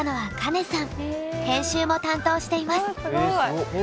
編集も担当しています。